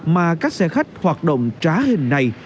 mà các xe khách hoạt động trá hình này